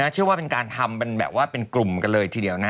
เชื่อว่าเป็นการทำเป็นกลุ่มกันเลยทีเดียว